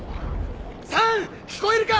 サン聞こえるか？